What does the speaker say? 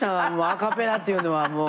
アカペラっていうのはもう。